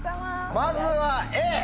まずはＡ！